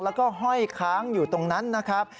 แล้วก็ห้อยค้างอยู่ตรงนั้นนะครับ